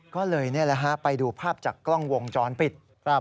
ก็เลยนี่แหละฮะไปดูภาพจากกล้องวงจรปิด